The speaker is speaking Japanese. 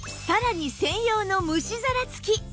さらに専用の蒸し皿付き